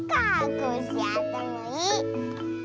コッシーあったまいい！